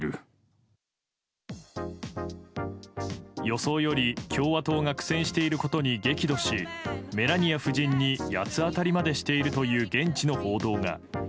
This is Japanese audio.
予想より、共和党が苦戦していることに激怒しメラニア夫人に八つ当たりまでしているという現地の報道が。